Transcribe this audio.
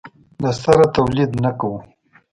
له سره تولید نه کوو.